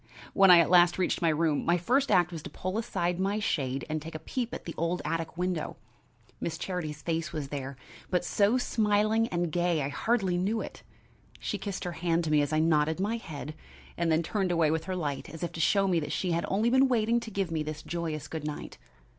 When I at last reached my room, my first act was to pull aside my shade and take a peep at the old attic window. Miss Charity's face was there, but so smiling and gay I hardly knew it. She kissed her hand to me as I nodded my head, and then turned away with her light as if to show me she had only been waiting to give me this joyous good night.